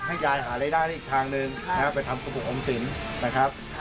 ให้ยายหารายได้อีกทางหนึ่งไปทำกระปุกออมสินนะครับ